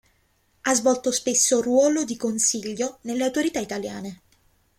Ha svolto spesso ruolo di consiglio delle autorità italiane.